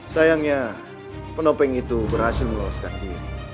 sayangnya penopeng itu berhasil meloloskan diri